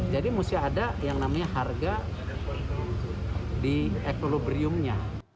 jadi mesti ada yang namanya harga di ekolobriumnya